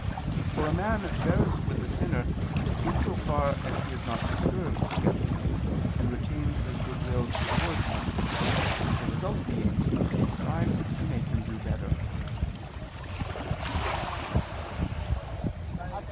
For a man bears with a sinner, in so far as he is not disturbed against him, and retains his goodwill towards him: the result being that he strives to make him do better.